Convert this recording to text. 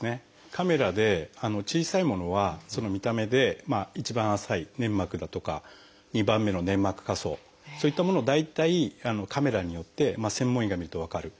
カメラで小さいものはその見た目で一番浅い粘膜だとか２番目の粘膜下層そういったものを大体カメラによって専門医が見ると分かる。